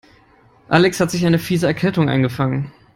Alex hat sich eine fiese Erkältung eingefangen.